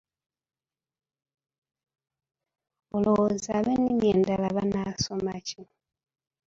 Olowooza ab'ennimi endala banaasoma ki?